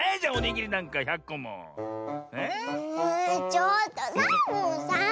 ちょっとサボさん！